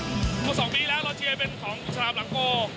๒ปีแล้วเราเชียร์เป็นของชาวบลังโก